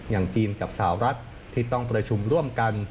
อย่างจีนกับสาวรัฐที่ต้องประชุมร่วมกัน